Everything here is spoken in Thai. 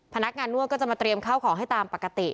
พนักงานนวดก็จะมาเตรียมข้าวของให้ตามปกติ